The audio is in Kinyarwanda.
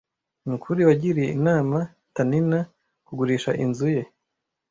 Nukuri wagiriye inama Taninna kugurisha inzu ye?